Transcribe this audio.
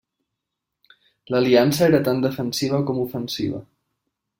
L'aliança era tant defensiva com ofensiva.